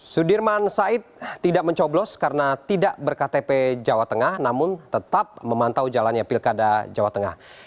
sudirman said tidak mencoblos karena tidak berktp jawa tengah namun tetap memantau jalannya pilkada jawa tengah